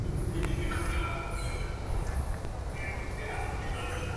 It is unrivaled in its breadth of coverage and its insight.